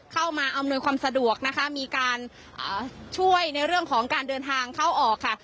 อำนวยความสะดวกนะคะมีการช่วยในเรื่องของการเดินทางเข้าออกค่ะ